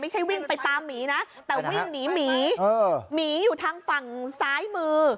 วิ่งไปตามหมีนะแต่วิ่งหนีหมีหมีอยู่ทางฝั่งซ้ายมือ